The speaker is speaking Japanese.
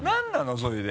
それで。